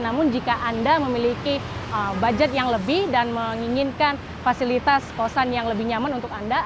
namun jika anda memiliki budget yang lebih dan menginginkan fasilitas kosan yang lebih nyaman untuk anda